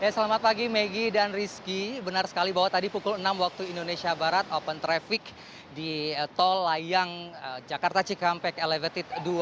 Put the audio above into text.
selamat pagi maggie dan rizky benar sekali bahwa tadi pukul enam waktu indonesia barat open traffic di tol layang jakarta cikampek elevated dua